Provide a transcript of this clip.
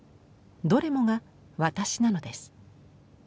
どれもが「ワタシ」なのです。